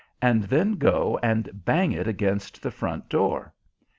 and then go and bang it against the front door.